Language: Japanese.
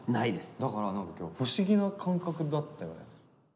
だから何か今日不思議な感覚だったよね。